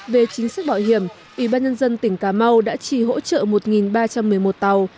về chính sách bảo hiểm ủy ban nhân dân tỉnh cà mau đã trì hỗ trợ một ba trăm một mươi một tàu